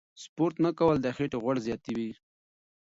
سپورت نه کول د خېټې غوړ زیاتوي.